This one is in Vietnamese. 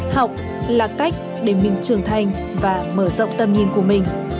học là cách để mình trưởng thành và mở rộng tầm nhìn của mình